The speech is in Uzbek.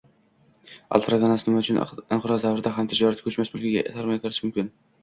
Alfraganus: Nima uchun inqiroz davrida ham tijorat ko‘chmas mulkiga sarmoya kiritish mumkin?